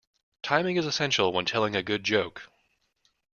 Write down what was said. Timing is essential when telling a good joke.